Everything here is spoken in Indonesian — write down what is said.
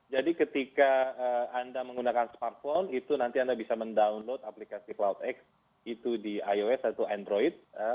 jadi ketika anda menggunakan smartphone itu nanti anda bisa mendownload aplikasi cloudx itu di ios atau android